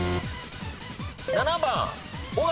７番尾形。